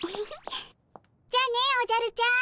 じゃあねおじゃるちゃん。